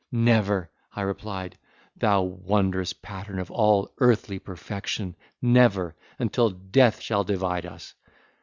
"Never," I replied, "thou wondrous pattern of all earthly perfection! never, until death shall divide us!